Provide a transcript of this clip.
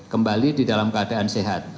kembali di dalam keadaan sehat